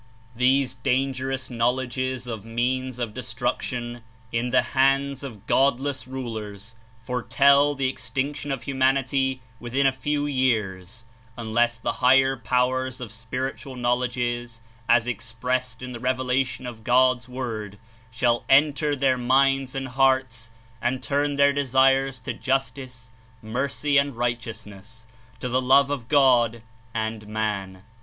These dangerous knowledges of means of destruc tion, In the hands of Godless rulers, foretell the ex tinction of humanity within a few years, unless the 32 higher powers of spiritual knowledges, as expressed In the revelation of God's Word, shall enter their minds and hearts and turn their desires to justice, mercy and righteousness, to the P^^gerous 1 c r J J rw ' Knowledges love or (jod and man.